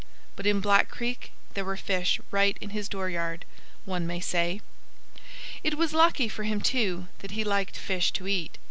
But in Black Creek there were fish right in his dooryard, one may say. It was lucky for him, too, that he liked fish to eat.